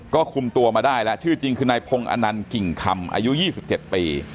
ก็คุมตัวมาได้แล้วชื่อจริงคือนายพงศ์อนันต์กิ่งคำอายุ๒๗ปี